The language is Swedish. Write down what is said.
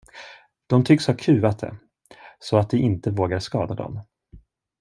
De tycks ha kuvat det, så att det inte vågar skada dem.